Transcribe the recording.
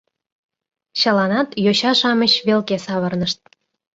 Чыланат йоча-шамыч велке савырнышт.